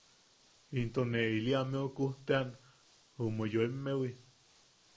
Into ne ili ameu kujte’ean ume yoimmewi.